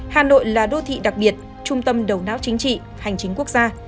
hà nội là đô thị đặc biệt trung tâm đầu não chính trị hành chính quốc gia